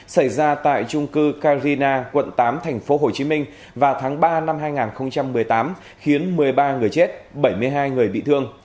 xảy ra tại trung cư carina quận tám tp hcm vào tháng ba năm hai nghìn một mươi tám khiến một mươi ba người chết bảy mươi hai người bị thương